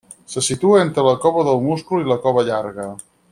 Se situa entre la Cova del Musclo i la Cova Llarga.